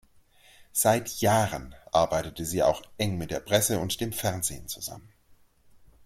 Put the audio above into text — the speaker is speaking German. Seit Jahren arbeitete sie auch eng mit der Presse und dem Fernsehen zusammen.